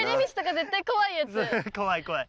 怖い怖い。